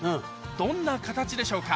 どんな形でしょうか？